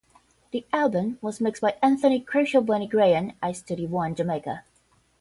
The album was mixed by Anthony "Crucial Bunny" Graham at Studio One, Jamaica.